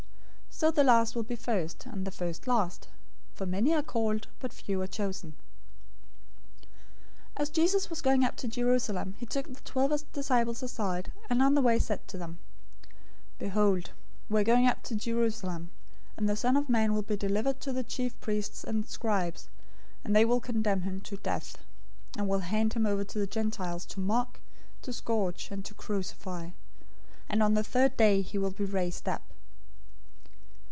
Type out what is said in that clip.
020:016 So the last will be first, and the first last. For many are called, but few are chosen." 020:017 As Jesus was going up to Jerusalem, he took the twelve disciples aside, and on the way he said to them, 020:018 "Behold, we are going up to Jerusalem, and the Son of Man will be delivered to the chief priests and scribes, and they will condemn him to death, 020:019 and will hand him over to the Gentiles to mock, to scourge, and to crucify; and the third day he will be raised up."